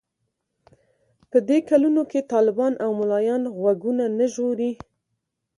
په دې کلونو کې طالبان او ملايان غوږونه نه ژغوري.